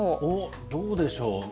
おっ、どうでしょう。